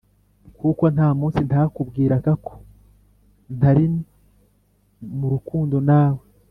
kuko ntamunsi ntakubwiraga ko ntarimurukundo nawe."